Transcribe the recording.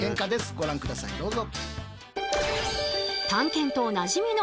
ご覧下さいどうぞ。